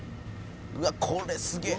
「うわっこれすげえ」